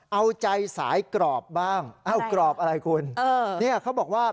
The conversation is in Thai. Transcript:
เอาใจสายกรอบบ้างเนี่ยเค้าบอกว่า